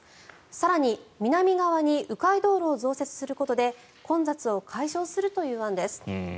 更に、南側に迂回道路を増設することで混雑を解消するという案です。